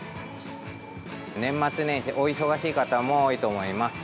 年末年始、お忙しい方も多いと思います。